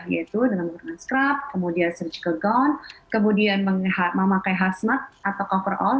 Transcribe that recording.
yaitu dengan menggunakan scrub kemudian surgical gown kemudian memakai hazmat atau cover on